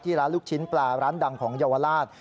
ร้านลูกชิ้นปลาร้านดังของเยาวราช